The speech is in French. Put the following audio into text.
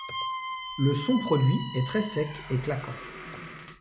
Le son produit est très sec et claquant.